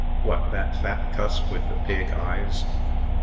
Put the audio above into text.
"What! that fat cuss with the pig eyes?"